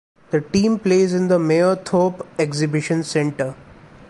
The team plays in the Mayerthorpe Exhibition Centre.